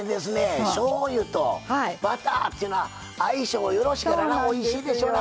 しょうゆとバターっていうのは相性よろしいからなおいしいでしょうな。